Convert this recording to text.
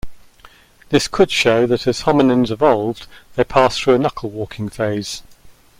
This could show that as hominins evolved, they passed through a knuckle-walking phase.